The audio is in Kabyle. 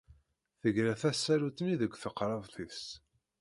Tegra tasarut-nni deg teqrabt-is.